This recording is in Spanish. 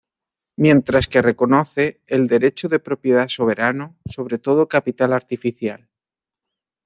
Mientras que reconoce el derecho de propiedad soberano sobre todo capital artificial.